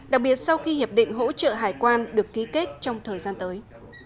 đặc biệt sau khi hiệp định hỗ trợ hải quan được ký kết trong thời gian tới